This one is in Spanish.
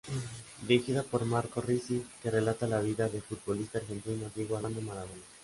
Dirigida por Marco Risi que relata la vida del futbolista argentino Diego Armando Maradona.